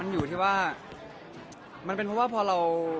อยู่ที่ว่ามันเป็นเพราะว่าพอเรา